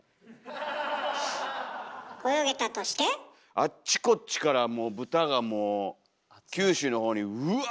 あっちこっちからもう豚がもう九州の方にウワッとこう。